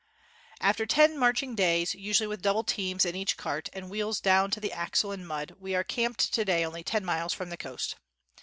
"After ten marching days, usually with double teams in each cart, and wheels down to the axle in mud, we are camped to day only ten miles from the coast.